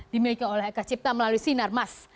dimiliki oleh eka cipta melalui sinarmas